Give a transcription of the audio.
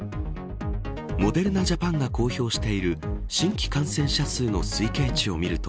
モデルナ・ジャパンが公表している新規感染者数の推計値を見ると